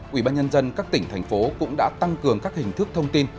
quỹ ban nhân dân các tỉnh thành phố cũng đã tăng cường các hình thức thông tin